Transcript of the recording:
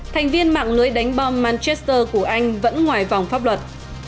thành viên mạng lưới đánh bom manchester của anh vẫn ngoài vòng pháp luật